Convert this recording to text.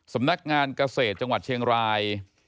สำนักงานเกษตรจังหวัดเชียงราย